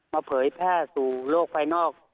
เผยแพร่สู่โลกภายนอก